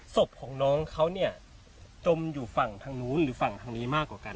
ศพของน้องเขาเนี่ยจมอยู่ฝั่งทางนู้นหรือฝั่งทางนี้มากกว่ากัน